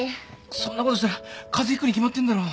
そんなことしたら風邪ひくに決まってんだろ。